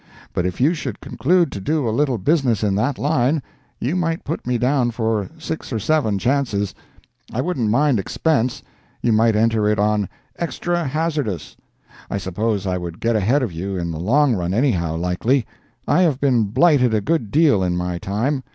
But if you should conclude to do a little business in that line, you might put me down for six or seven chances. I wouldn't mind expense—you might enter it on Extra Hazardous. I suppose I would get ahead of you in the long run anyhow, likely. I have been blighted a good deal in my time.